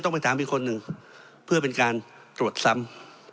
ไปถามอีกคนหนึ่งเพื่อเป็นการตรวจซ้ำ